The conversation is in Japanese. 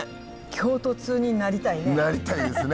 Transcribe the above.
京都通になりたいね。